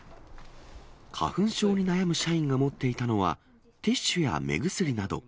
花粉症に悩む社員が持っていたのは、ティッシュや目薬など。